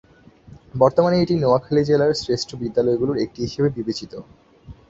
বর্তমানে এটি নোয়াখালী জেলার শ্রেষ্ঠ বিদ্যালয়গুলোর একটি হিসাবে বিবেচিত।